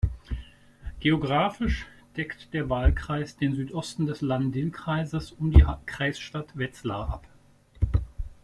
Geografisch deckt der Wahlkreis den Südosten des Lahn-Dill-Kreises um die Kreisstadt Wetzlar ab.